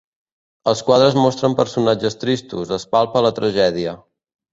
Els quadres mostren personatges tristos, es palpa la tragèdia.